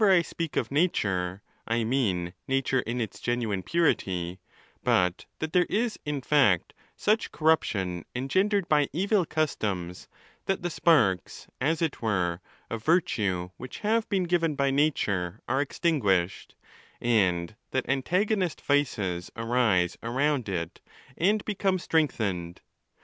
413 I speak of nature, I mean nature in its genuine purity, but that there is, in fact, such corruption engendered by evil customs, that the sparks, as it were, of virtue which have been given by nature are extinguished, and that antagonist vices arise around it and become strengthened.